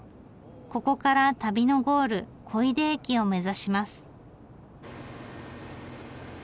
ここから旅のゴール小出駅を目指します。